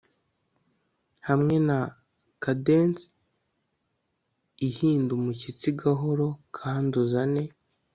Hamwe na cadence ihinda umushyitsi gahoro kandi uzane